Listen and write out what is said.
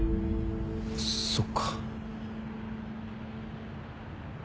そっか。